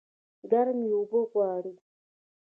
ګرمي اوبه غواړي